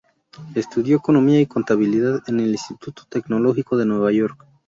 Estudió Economía y Contabilidad en el Instituto Tecnológico de Nueva York.